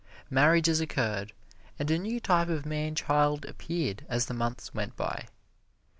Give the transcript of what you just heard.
Marriages occurred, and a new type of man child appeared as the months went by.